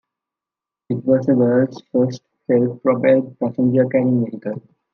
It was the world's first self-propelled passenger carrying vehicle.